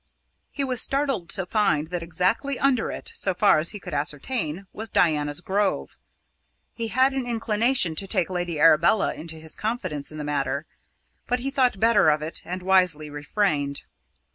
He was startled to find that exactly under it so far as he could ascertain was Diana's Grove. He had an inclination to take Lady Arabella into his confidence in the matter, but he thought better of it and wisely refrained.